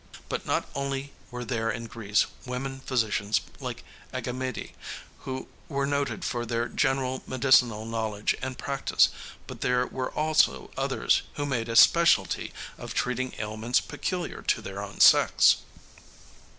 But not only were there in Greece women physicians like Agamede, who were noted for their general medicinal knowledge and practice, but there were also others who made a specialty of treating ailments peculiar to their own sex.